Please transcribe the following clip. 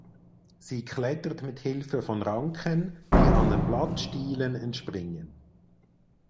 Sie klettert mit Hilfe von Ranken die an den Blattstielen entspringen.